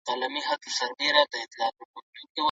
که موږ له ټیکنالوژۍ سمه ګټه پورته کړو نو پرمختګ کوو.